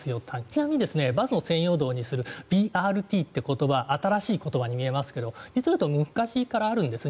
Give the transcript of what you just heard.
ちなみにバスの専用道にするＢＲＴって言葉新しい言葉に聞こえますが実は昔からあるんです。